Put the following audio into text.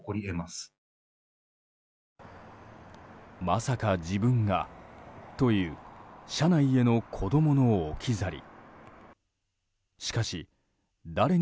まさか自分が、という車内への子供の置き去り。